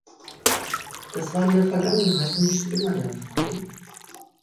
Das war in der Vergangenheit nicht immer der Fall.